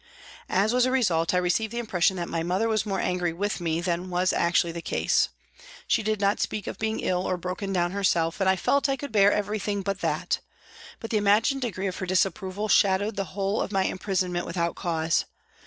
As a result, I received the impression that my mother was more angry with me than was actually the case. 72 PRISONS AND PRISONERS She did not speak of being ill or broken down herself, and I felt I could bear everything but that ; but the imagined degree of her disapproval shadowed the whole of my imprisonment without cause.